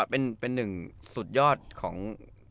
เป็นหนึ่งสุดยอดของ